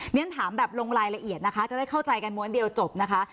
เรียนถามแบบลงรายละเอียดนะคะจะได้เข้าใจกันม้วนเดียวจบนะคะ